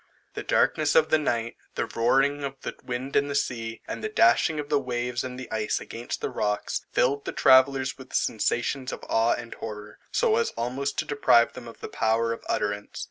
The darkness of the night; the roaring of the wind and the sea, and the dashing of the waves and ice against the rocks, filled the travellers with sensations of awe and horror, so as almost to deprive them of the power of utterance.